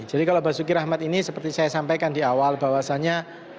jadi kalau basuki rahmat ini seperti saya sampaikan di awal bahwasannya